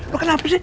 lo kenapa sih